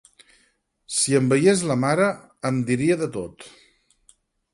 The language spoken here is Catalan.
Si em veiés la mare em diria de tot!